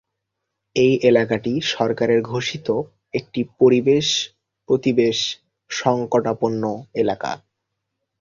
এই এলাকাটি সরকারের ঘোষিত একটি 'পরিবেশ-প্রতিবেশ সংকটাপন্ন এলাকা'।